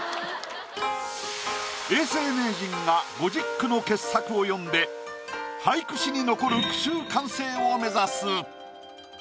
永世名人が５０句の傑作を詠んで俳句史に残る句集完成を目指す。